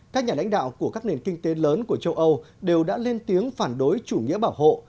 các nhà lãnh đạo của các nền kinh tế lớn của châu âu đều đã lên tiếng phản đối chủ nghĩa bảo hộ